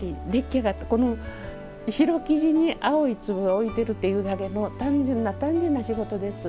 白生地に青い色を置いてるってだけの単純な、単純な仕事です。